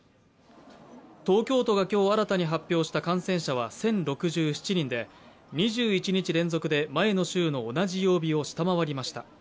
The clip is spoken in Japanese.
東京都が今日新たに発表した感染者は１０６７人で２１日連続で前の週の同じ曜日を下回りました。